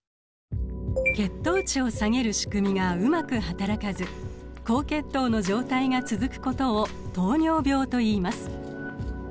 血糖値を下げる仕組みがうまく働かず高血糖の状態が続くことを糖尿病といいます。